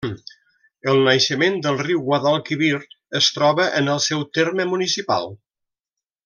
El naixement del riu Guadalquivir es troba en el seu terme municipal.